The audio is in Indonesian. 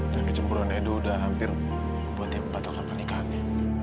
dan kecemburan edo udah hampir buat dia membatalkan pernikahannya